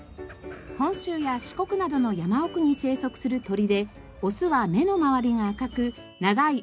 本州や四国などの山奥に生息する鳥でオスは目の周りが赤く長い尾羽が特徴です。